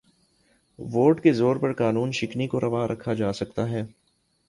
Vote کے زور پر قانون شکنی کو روا رکھا جا سکتا ہے۔